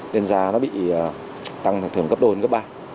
nên giá nó bị tăng thường thường cấp đôi đến cấp ba